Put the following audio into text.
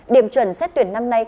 điểm chuẩn xét tuyển năm nay